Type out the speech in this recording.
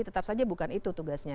tetap saja bukan itu tugasnya